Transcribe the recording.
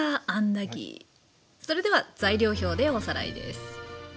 それでは材料表でおさらいです。